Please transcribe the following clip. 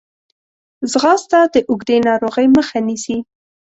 ځغاسته د اوږدې ناروغۍ مخه نیسي